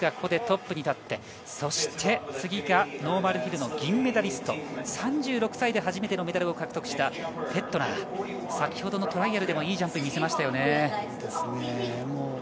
まず、ペテル・プレブツがトップに立って、そして次がノーマルヒルの銀メダリスト、３６歳で初めてのメダルを獲得したフェットナー、先ほどのトライアルでもいいジャンプを見せましたね。